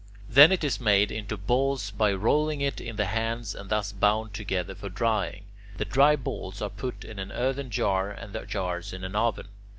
Then it is made into balls by rolling it in the hands and thus bound together for drying. The dry balls are put in an earthern jar, and the jars in an oven.